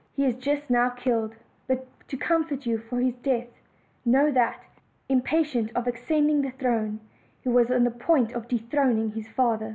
He is just now killed; but to comfort you for his death, know that, impatient of ascending the throne, he was on the point of dethron ing his father."